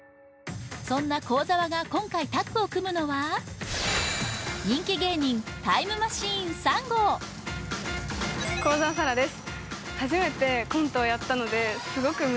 そんな幸澤が今回タッグを組むのは人気芸人タイムマシーン３号幸澤沙良です